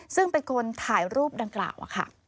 ซึ่งเป็นคนถ่ายรูปดังกล่าวค่ะ